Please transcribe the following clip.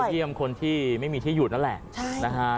เยี่ยมคนที่ไม่มีที่อยู่นั่นแหละนะฮะ